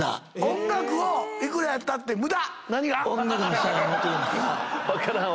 音楽をいくらやったってムダ！